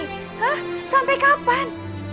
hah sampai kapan